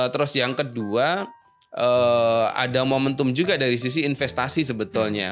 terus yang kedua ada momentum juga dari sisi investasi sebetulnya